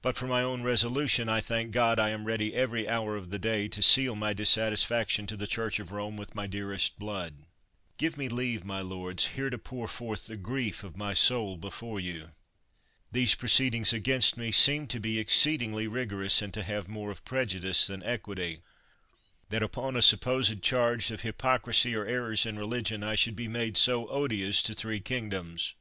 But for my own resolution I thank God I am ready every hour of the day to seal my dissatisfaction to the Church of Rome with my dearest blood. Give me leave, my lords, here to pour forth the grief of my soul before you. These proceed ings against me seem to be exceeding rigorous, and to have more of prejudice than equity — that upon a supposed charge of hypocrisy or errors in religion I should be made so odious to three kingdoms.